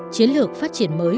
chiến lược phát triển mới